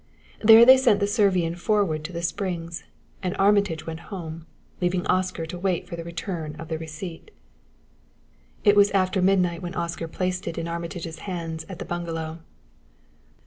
There they sent the Servian forward to the Springs, and Armitage went home, leaving Oscar to wait for the return of the receipt. It was after midnight when Oscar placed it in Armitage's hands at the bungalow.